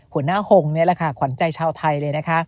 หัวหน้าโฮงนี่แหละขวัญใจชาวไทยเลย